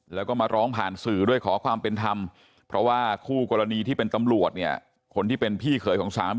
แล้วก็มาร้องผ่านสื่อด้วยขอความเป็นธรรมเพราะว่าคู่กรณีที่เป็นตำรวจเนี่ย